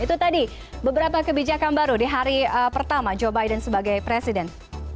itu tadi beberapa kebijakan baru di hari pertama joe biden sebagai presiden